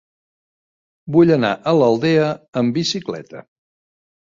Vull anar a l'Aldea amb bicicleta.